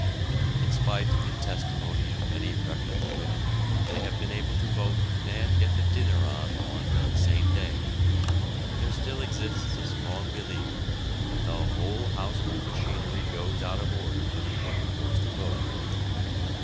In spite of the testimony of many reputable women that they have been able to vote and get the dinner on one and the same day, there still exists a strong belief that the whole household machinery goes out of order when a woman goes to vote.